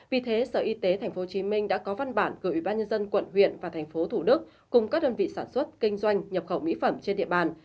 vì thế sở y tế tp hcm đã có văn bản gửi ủy ban nhân dân quận huyện và tp hcm cùng các đơn vị sản xuất kinh doanh nhập khẩu mỹ phẩm trên địa bàn